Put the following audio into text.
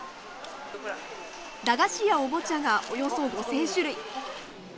駄菓子やおもちゃがおよそ５，０００種類。